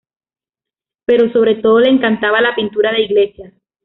Pero sobre todo le encantaba la pintura de iglesias.